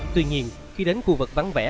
tuy nhiên khi đến khu vực vắng vẻ